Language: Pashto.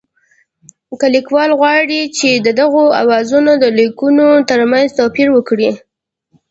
که لیکوال غواړي چې د دغو آوازونو د لیکبڼو ترمنځ توپیر وکړي